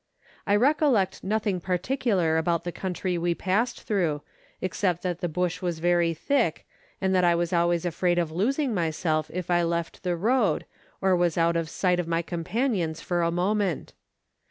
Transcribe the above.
I recollect nothing particular about the country we passed through, except that the bush was very thick, and that I was always afraid of losing myself if I left the road, or was out of sight of my companions for a moment.